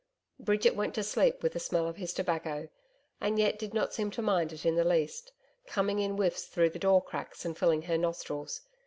Bridget went to sleep with the smell of his tobacco and yet did not seem to mind it in the least coming in whiffs through the door cracks and filling her nostrils.